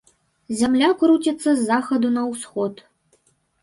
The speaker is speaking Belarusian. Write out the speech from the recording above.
Зямля круціцца з захаду на ўсход.